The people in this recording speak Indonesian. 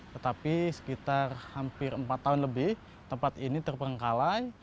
tetapi sekitar hampir empat tahun lebih tempat ini terperengkalai